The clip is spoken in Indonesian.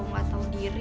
malah aku dilepasin